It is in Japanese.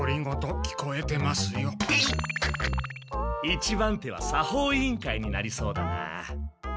一番手は作法委員会になりそうだな。